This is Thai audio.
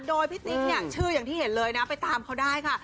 โดยพี่ติ๊กเนี่ยชื่ออย่างที่เห็นเลยนะไปตามเขาได้ค่ะ